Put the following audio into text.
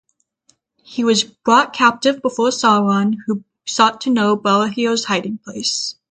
He was brought captive before Sauron, who sought to know Barahir's hiding-place.